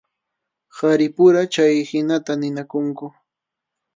Qharipura chayhinata ninakunku.